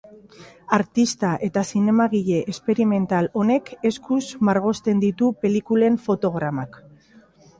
Artista eta zinemagile esperimental honek eskuz margozten ditu pelikulen fotogramak.